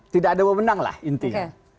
tidak ada yang memenanglah intinya